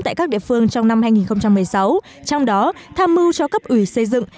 tại các địa phương trong năm hai nghìn một mươi sáu trong đó tham mưu cho cấp ủy xây dựng